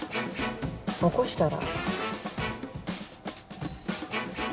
起こしたら。